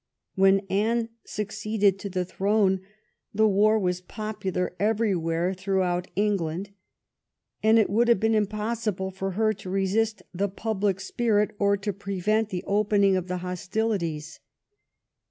When Anne succeeded to the throne the war was popular every where throughout England, and it would have been impossible for her to resist the public spirit, or to prevent the opening of hostilities.